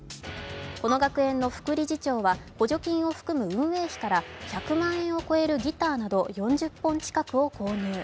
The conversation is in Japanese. この学園の副理事長は補助金を含む運営費から１００万円を超えるギターなど４０本近くを購入。